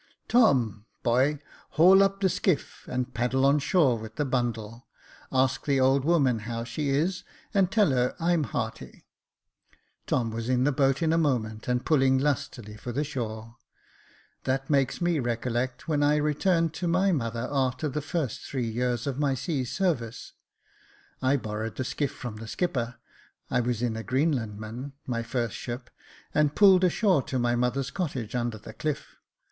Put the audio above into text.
Tom, boy, haul up the skiff and paddle on shore with the bundle ; ask the old woman how she is, and tell her I'm hearty." Tom was in the boat in a moment, and y6 Jacob Faithful pulling lustily for the shore. *' That makes me recollect when I returned to my mother, a'ter the first three years of my sea service. I borrowed the skiff from the skipper — I was in a Greenlandman, my first ship, and pulled ashore to my mother's cottage under the cliff.